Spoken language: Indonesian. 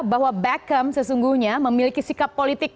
bahwa beckham sesungguhnya memiliki sikap politik